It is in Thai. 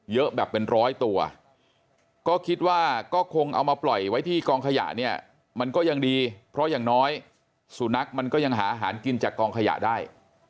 เยอะแบบเป็นร้อยตัวก็คิดว่าก็คงเอามาปล่อยไว้ที่กองขยะเนี่ยมันก็ยังดีเพราะอย่างน้อยสุนัขมันก็ยังหาอาหารกินจากกองขยะได้